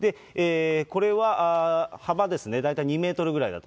これは、幅ですね、大体２メートルぐらいだと。